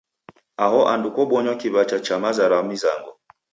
Aho andu kobonywa kiw'acha cha maza ra mizango.